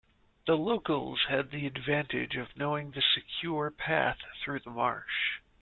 The locals had the advantage of knowing the secure path through the marsh.